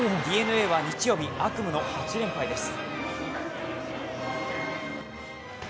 ＤｅＮＡは日曜日、悪夢の８連敗です。